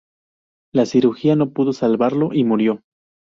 La cirugía no pudo salvarlo y murió.